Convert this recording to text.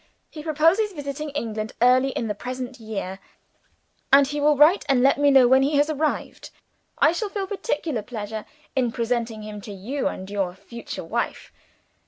He proposes visiting England early in the present year; and he will write and let me know when he has arrived. I shall feel particular pleasure in presenting him to you and your future wife.